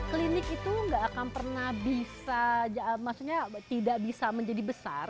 klinik itu nggak akan pernah bisa maksudnya tidak bisa menjadi besar